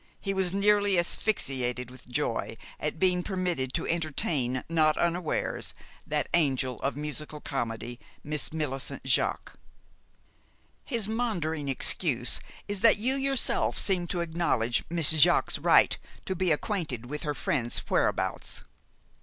He was nearly asphyxiated with joy at being permitted to entertain, not unawares, that angel of musical comedy, Miss Millicent Jaques. His maundering excuse is that you yourself seemed to acknowledge Miss Jaques's right to be acquainted with her friend's whereabouts.